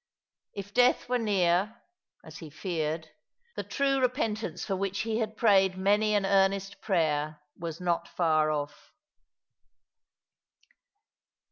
If death were near, as he feared, the true repentance for which he had prayed maay an earnest prayer was not far off.